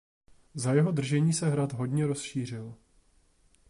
Za jeho držení se hrad hodně rozšířil.